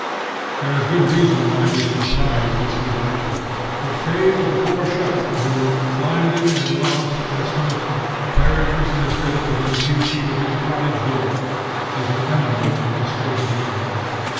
There is good reason why we should prize this liberation. The fate of the poor shepherd, who, blinded and lost in the snow storm, perishes in a drift within a few feet of his cottage door, is an emblem of the state of man.